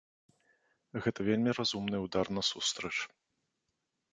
Гэта вельмі разумны ўдар насустрач.